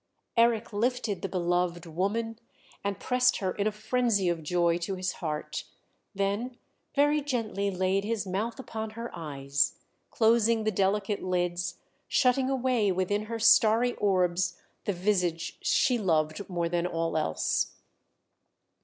Eric lifted the beloved woman and pressed her in a frenzy of joy to his heart; then very gently laid his mouth upon her eyes, closing the delicate lids, shutting away within her starry orbs the visage she loved more than all else.